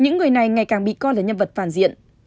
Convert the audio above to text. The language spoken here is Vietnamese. những người này ngày càng bị co là nhân vật phản diện